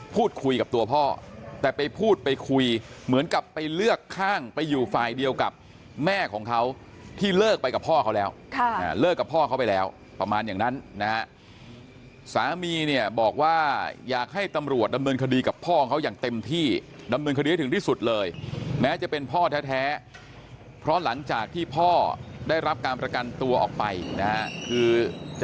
พูดคุยกับตัวพ่อแต่ไปพูดไปคุยเหมือนกับไปเลือกข้างไปอยู่ฝ่ายเดียวกับแม่ของเขาที่เลิกไปกับพ่อเขาแล้วเลิกกับพ่อเขาไปแล้วประมาณอย่างนั้นนะฮะสามีเนี่ยบอกว่าอยากให้ตำรวจดำเนินคดีกับพ่อเขาอย่างเต็มที่ดำเนินคดีให้ถึงที่สุดเลยแม้จะเป็นพ่อแท้เพราะหลังจากที่พ่อได้รับการประกันตัวออกไปนะฮะคือ